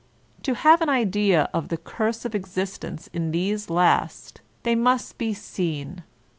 To have an idea of the curse of existence in these last, they must be seen.